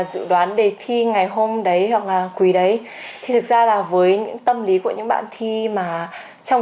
dự đoán đề thi ngày hôm đấy hoặc là quý đấy thì thực ra là với những tâm lý của những bạn thi mà trong